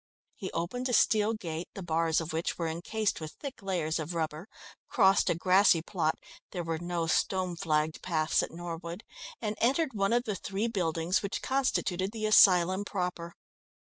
He opened a steel gate, the bars of which were encased with thick layers of rubber, crossed a grassy plot (there were no stone flagged paths at Norwood) and entered one of the three buildings which constituted the asylum proper.